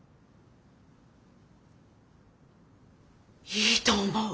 いいと思う！